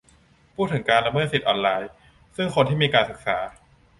พูดถึงการละเมิดสิทธิออนไลน์ ซึ่งคนที่มีการศึกษา